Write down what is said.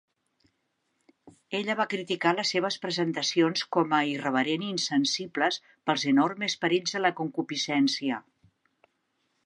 Ella va criticar les seves presentacions com a irreverent i insensibles pels "enormes perills" de la concupiscència.